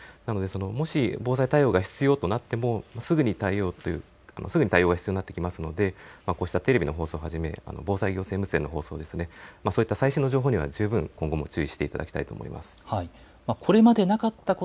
もし防災対策が必要となってもすぐに対応が必要になってきますので、こうしたテレビの放送をはじめ防災行政無線の放送など最新の情報には今後も十分注意していただきたいと思います。